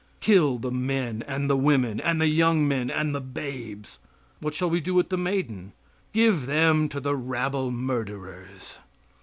Kill the men and the women, and the young men and the babes! "What shall we do with the maidens?" "Give them to the rabble murderers!"